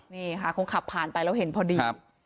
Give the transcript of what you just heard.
นี่ค่ะคงขับผ่านไปแล้วเห็นพอดี